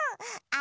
「あ！」